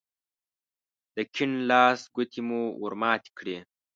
د کيڼ لاس ګوتې مو ور ماتې کړې.